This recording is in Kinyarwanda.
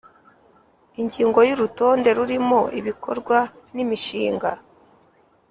Ingingo ya Urutonde rurimo ibikorwa n imishinga